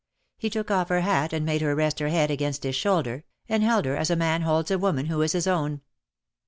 He took off her hat and made her rest her head against his shoulder, and held her as a man holds a woman who is his own.